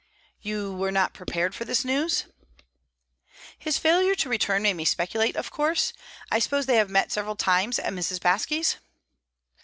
"You were not prepared for this news?" "His failure to return made me speculate, of course. I suppose they have met several times at Mrs. Baske's?"